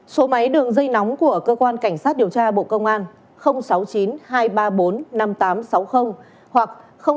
số máy đường dây nóng của cơ quan cảnh sát điều tra bộ công an sáu mươi chín hai trăm ba mươi bốn năm nghìn tám trăm sáu mươi hoặc sáu mươi chín hai trăm ba mươi hai một nghìn sáu trăm bảy